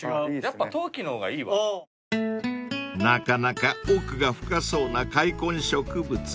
［なかなか奥が深そうな塊根植物］